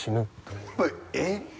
えっ？